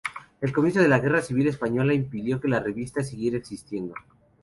El comienzo de la guerra civil española impidió que la revista siguiera existiendo.